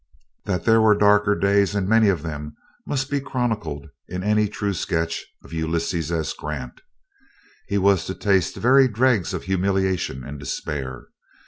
That there were darker days, and many of them, must be chronicled in any true sketch of Ulysses S. Grant. He was to taste the very dregs of humiliation and despair.